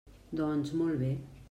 Doncs, molt bé.